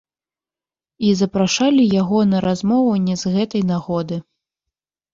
І запрашалі яго на размову не з гэтай нагоды.